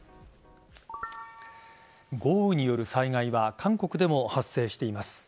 豪雨による災害は韓国でも発生しています。